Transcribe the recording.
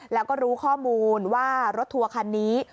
แล้วก็รู้ข้อมูลว่ารถทัวร์คันนี้